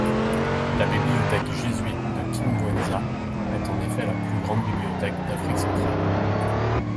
La bibliothèque jésuite de Kimwenza est en effet la plus grande bibliothèque d'Afrique centrale.